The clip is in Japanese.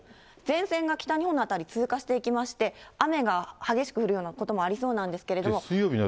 前線が北日本の辺り、通過していきまして、雨が激しく降るようなこともありそうなんですけど。